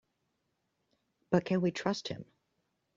But can we trust him?